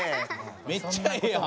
めっちゃええやん。